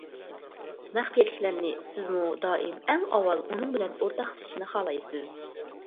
مەخپىيەتلىكلەرنى سىزمۇ دائىم ئەڭ ئاۋۋال ئۇنىڭ بىلەن ئورتاقلىشىشنى خالايسىز.